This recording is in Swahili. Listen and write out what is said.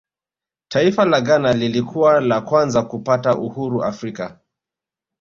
taifa la ghana lilikuwa la kwanza kupata uhuru afrika